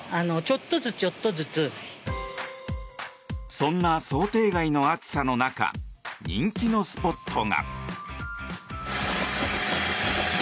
そんな想定外の暑さの中人気のスポットが。